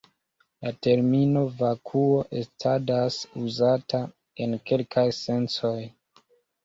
La termino "vakuo" estadas uzata en kelkaj sencoj.